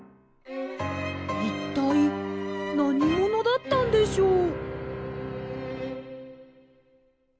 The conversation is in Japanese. いったいなにものだったんでしょう？